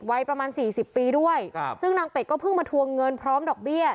วัยประมาณสี่สิบปีด้วยครับซึ่งนางเป็ดก็เพิ่งมาทวงเงินพร้อมดอกเบี้ย